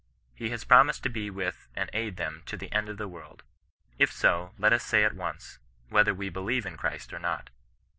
He has promised to be with and aid them to the end of the world. If so, let us say at once, whether we believe in Christ or not.